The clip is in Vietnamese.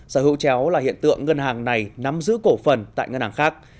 sở hữu chéo là hiện tượng ngân hàng này nắm giữ cổ phần tại ngân hàng khác